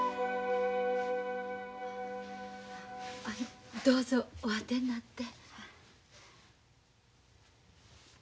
あのどうぞお当てになって。